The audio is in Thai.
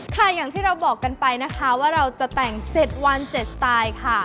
ค่ะอย่างที่เราบอกกันไปนะคะว่าเราจะแต่ง๗วัน๗สไตล์ค่ะ